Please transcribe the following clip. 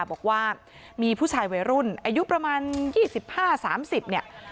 บอกว่ามีผู้ชายวัยรุ่นอายุประมาณ๒๕๓๐เนี่ย